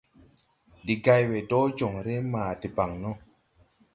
Ndi gay we dɔɔ jɔŋre ma debaŋ no.